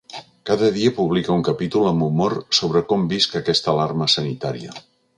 Cada dia publique un capítol amb humor sobre com visc aquesta alarma sanitària.